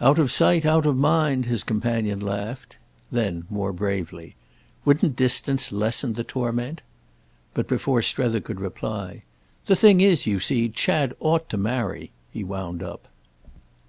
"Out of sight out of mind!" his companion laughed. Then more bravely: "Wouldn't distance lessen the torment?" But before Strether could reply, "The thing is, you see, Chad ought to marry!" he wound up.